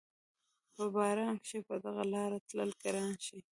په باران کښې په دغه لاره تلل ګران شي